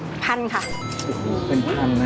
อืมเป็นทาน